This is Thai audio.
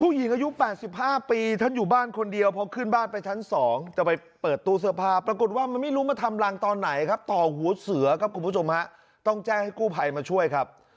อายุ๘๕ปีท่านอยู่บ้านคนเดียวพอขึ้นบ้านไปชั้น๒จะไปเปิดตู้เสื้อผ้าปรากฏว่ามันไม่รู้มาทำรังตอนไหนครับต่อหัวเสือครับคุณผู้ชมฮะต้องแจ้งให้กู้ภัยมาช่วยครับ